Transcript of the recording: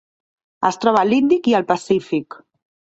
Es troba a l'Índic i el Pacífic.